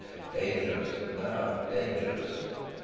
Dangerous—ah, dangerous!